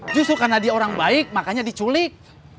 justru karena dia orang baik makanya diculik